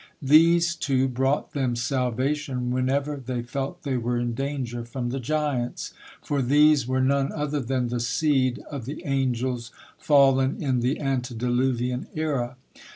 These two brought them salvation whenever they felt they were in danger from the giants. For these were none other than the seed of the angels fallen in the antediluvian era.